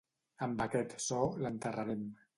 Amb aquest so l'enterrarem.